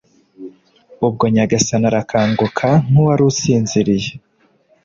Ubwo Nyagasani arakanguka nk’uwari usinziriye